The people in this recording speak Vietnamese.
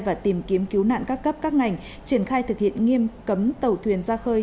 và tìm kiếm cứu nạn các cấp các ngành triển khai thực hiện nghiêm cấm tàu thuyền ra khơi